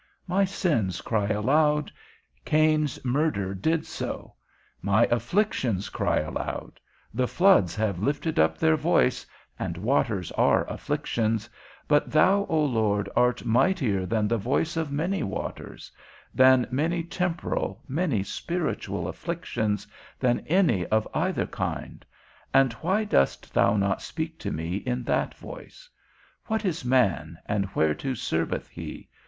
My sins cry aloud; Cain's murder did so: my afflictions cry aloud; the floods have lifted up their voice (and waters are afflictions), but thou, O Lord, art mightier than the voice of many waters; than many temporal, many spiritual afflictions, than any of either kind: and why dost thou not speak to me in that voice? _What is man, and whereto serveth he?